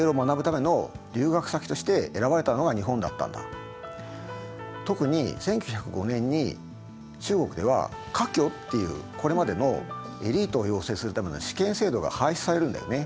そうするとその特に１９０５年に中国では科挙っていうこれまでのエリートを養成するための試験制度が廃止されるんだよね。